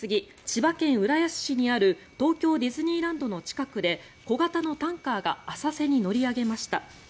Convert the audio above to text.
千葉県浦安市にある東京ディズニーランドの近くで小型のタンカーが浅瀬に乗り上げました。